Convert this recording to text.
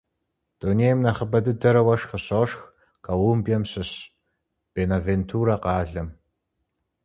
Дунейм нэхъыбэ дыдэрэ уэшх къыщошх Колумбием щыщ Бэнавентурэ къалэм.